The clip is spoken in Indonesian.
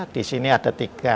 disini ada tiga